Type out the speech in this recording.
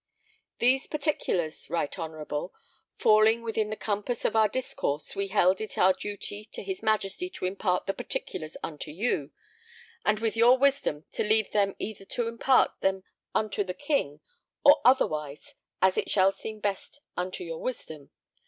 These particulars, Right Honourable, falling within the compass of our discourse we held it our duty to his Majesty to impart the particulars unto you, and with your wisdom to leave them either to impart them unto the king, or otherwise as it shall seem best unto your wisdom.